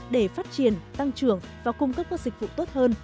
để phát triển tăng trưởng và cung cấp các dịch vụ tốt hơn